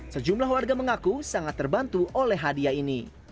sejumlah warga mengaku sangat terbantu oleh hadiah ini